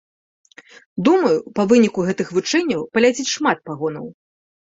Думаю, па выніку гэтых вучэнняў паляціць шмат пагонаў.